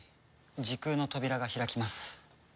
時空の扉が開きます。